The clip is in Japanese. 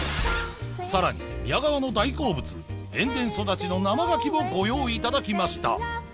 さらに宮川の大好物塩田育ちの生ガキもご用意いただきました